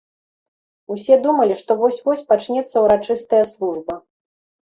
Усе думалі, што вось-вось пачнецца ўрачыстая служба.